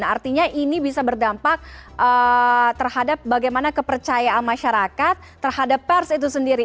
dan artinya ini bisa berdampak terhadap bagaimana kepercayaan masyarakat terhadap pers itu sendiri